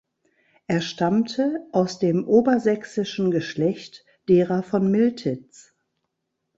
Er stammte aus dem obersächsischen Geschlecht derer von Miltitz.